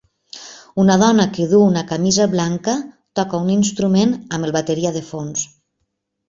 Una dona que duu una camisa blanca toca un instrument amb el bateria de fons.